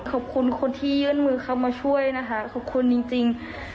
ขอบคุณคนที่ยื่นมือเข้ามาช่วยนะคะขอบคุณจริง